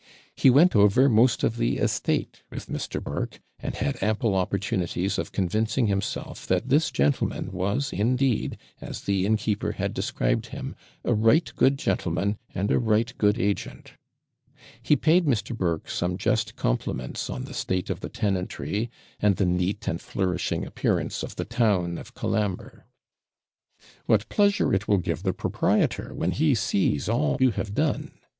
He went over most of the estate with Mr. Burke, and had ample opportunities of convincing himself that this gentleman was indeed, as the innkeeper had described him, 'a right good gentleman, and a right good agent.' He paid Mr. Burke some just compliments on the state of the tenantry, and the neat and flourishing appearance of the town of Colambre. 'What pleasure it will give the proprietor when he sees all you have done!'